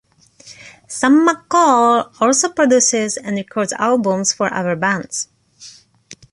Sam McCall also produces and records albums for other bands.